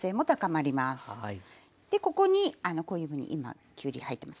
でここにこういうふうに今きゅうり入ってます。